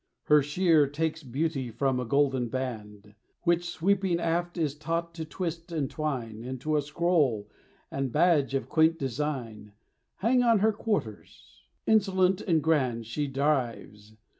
Her sheer takes beauty from a golden band, Which, sweeping aft, is taught to twist and twine Into a scroll, and badge of quaint design Hang on her quarters. Insolent and grand She drives.